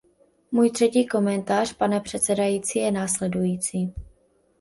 Můj třetí komentář, pane předsedající, je následující.